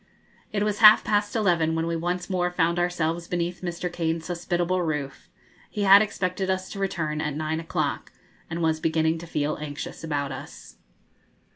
It was half past eleven when we once more found ourselves beneath Mr. Kane's hospitable roof; he had expected us to return at nine o'clock, and was beginning to feel anxious about us.